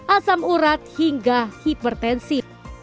asam urat hingga hipertensi